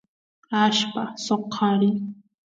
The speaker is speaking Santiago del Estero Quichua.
allpa soqariy